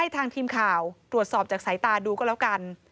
ทางทีมข่าวตรวจสอบจากสายตาดูก็แล้วกัน